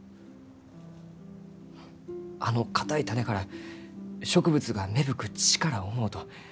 あの硬い種から植物が芽吹く力を思うと胸が熱うなります。